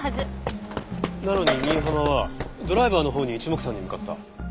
なのに新浜はドライバーのほうに一目散に向かった。